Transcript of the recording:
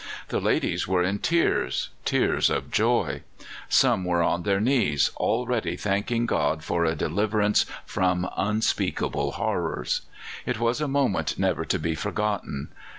The ladies were in tears tears of joy; some were on their knees, already thanking God for a deliverance from unspeakable horrors. It was a moment never to be forgotten.